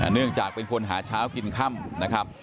เนื่องจากเป็นคนหาเช้ากินค่ำนะครับ